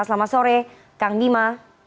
selamat sore kang bima